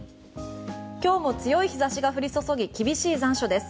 今日も強い日差しが降り注ぎ厳しい残暑です。